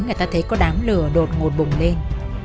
người ta thấy có đám lửa đột ngột bùng lên